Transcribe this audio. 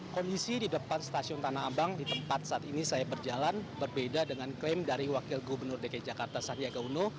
kondisi di depan stasiun tanah abang di tempat saat ini saya berjalan berbeda dengan klaim dari wakil gubernur dki jakarta sandiaga uno